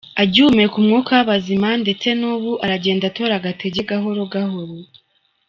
agihumeka umwuka wabazima ndetse nubu aragenda atora agatege gahoro gahoro.